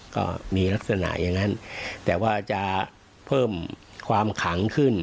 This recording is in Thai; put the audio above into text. ก็มีลักษณะอย่างนั้นแต่ว่าจะเพิ่มความขังขึ้น